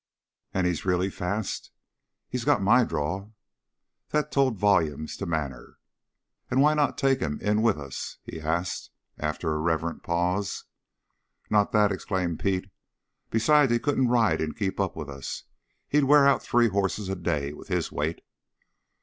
"And he's really fast?" "He's got my draw." That told volumes to Manners. "And why not take him in with us?" he asked, after a reverent pause. "Not that!" exclaimed Pete. "Besides, he couldn't ride and keep up with us. He'd wear out three hosses a day with his weight."